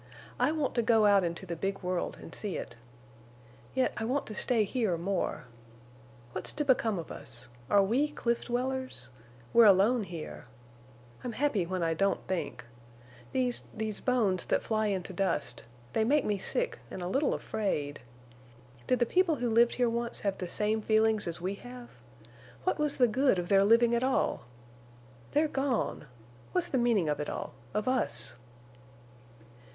I want to go out into the big world and see it. Yet I want to stay here more. What's to become of us? Are we cliff dwellers? We're alone here. I'm happy when I don't think. These—these bones that fly into dust—they make me sick and a little afraid. Did the people who lived here once have the same feelings as we have? What was the good of their living at all? They're gone! What's the meaning of it all—of us?"